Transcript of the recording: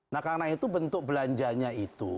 nah karena itu bentuk belanjanya itu